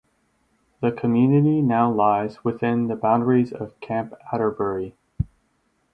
The community now lies within the boundaries of Camp Atterbury.